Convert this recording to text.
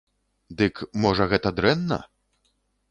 Дык, можа, гэта дрэнна?